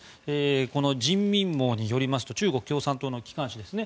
この人民網によりますと中国共産党の機関紙ですね